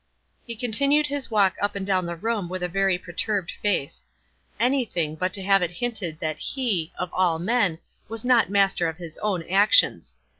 Ho continued his walk up and down the room with a very perturbed face. Anything but to have it hi ntcd that he, of all men, was not mas ter of his own actions.